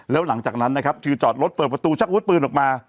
แล้วหลังจากนั้นนะครับคือจอดรถเปิดประตูชักวุธปืนออกมา